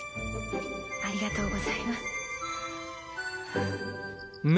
ありがとうございます。